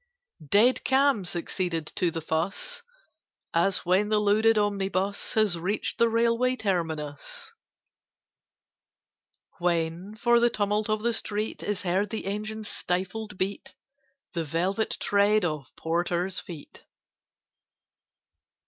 Dead calm succeeded to the fuss, As when the loaded omnibus Has reached the railway terminus: When, for the tumult of the street, Is heard the engine's stifled beat, The velvet tread of porters' feet.